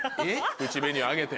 口紅をあげて。